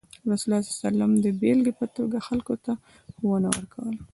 رسول الله صلى الله عليه وسلم د بیلګې په توګه خلکو ته ښوونه ورکوله.